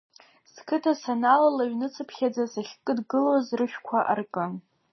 Сқыҭа саналала ҩныцыԥхьаӡа сахькыдгылоз рышәқәа аркын.